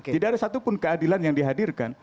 tidak ada satupun keadilan yang dihadirkan